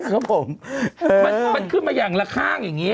ครับผมมันขึ้นมาอย่างละข้างอย่างนี้